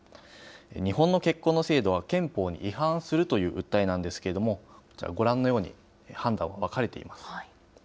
日本の結婚の制度は憲法に違反するという訴えなんですけれども、こちら、ご覧のように判断は分かれています。